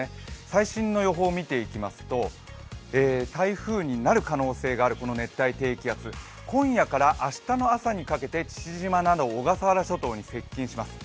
最新の予報を見ていきますと台風になる可能性があるこの熱帯低気圧今夜から明日の朝にかけて父島など小笠原諸島に接近します。